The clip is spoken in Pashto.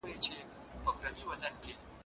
دا شمېرې په يوه جلا ډله کي راوستل سوې.